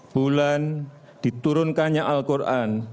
bulan diturunkannya al qur'an